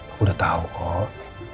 aku udah tau kok